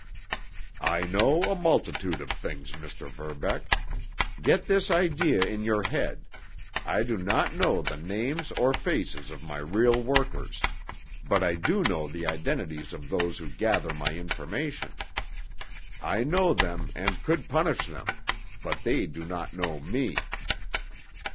"I know a multitude of things, Mr. Verbeck. Get this idea in your head—I do not know the names or faces of my real workers, but I do know the identities of those who gather my information. I know them, and could punish them—but they do not know me.